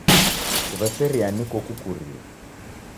Kuweseria niko kukurie.